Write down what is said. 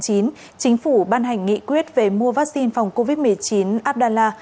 chính phủ ban hành nghị quyết về mua vaccine phòng covid một mươi chín abdallah